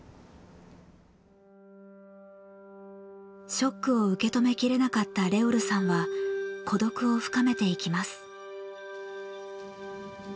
ショックを受け止め切れなかったＲｅｏｌさんは孤独を深めていきます。